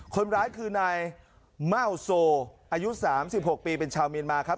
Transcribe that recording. คนร้ายคือในม่าวโซอายุสามสิบหกปีเป็นชาวมีนมาครับ